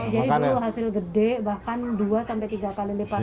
jadi dulu hasil gede bahkan dua tiga kali lipat